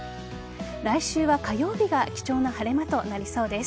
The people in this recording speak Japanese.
来週は、火曜日が貴重な晴れ間となりそうです。